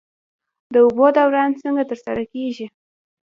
د اوبو دوران څنګه ترسره کیږي؟